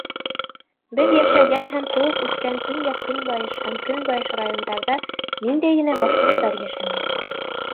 Беҙ йәшәгән һәм тыуып үҫкән төньяҡ-көнбайыш һәм көнбайыш райондарҙа ниндәй генә башҡорттар йәшәмәй.